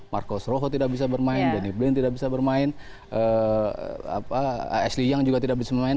marcos roho tidak bisa bermain danny blin tidak bisa bermain asli yang juga tidak bisa bermain